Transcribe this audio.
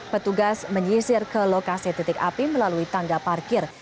petugas menyisir ke lokasi titik api melalui tangga parkir